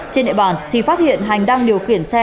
trên địa bàn thì phát hiện hành đang điều khiển xe